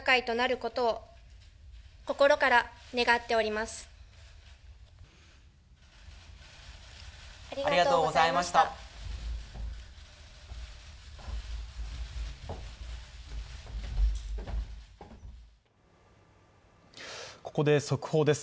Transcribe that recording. ここで速報です。